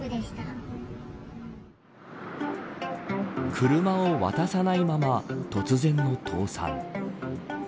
車を渡さないまま突然の倒産。